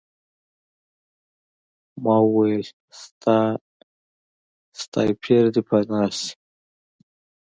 ما وویل سنایپر دی پناه شئ